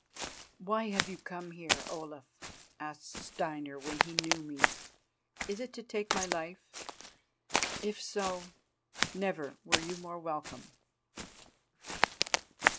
"Why have you come here, Olaf?" asked Steinar when he knew me. "Is it to take my life? If so, never were you more welcome."